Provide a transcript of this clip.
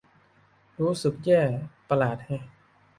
รู้สึกแย่ประหลาดแฮะ